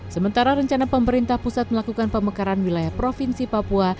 sementara rencana pemerintah pusat melakukan pemekaran wilayah provinsi papua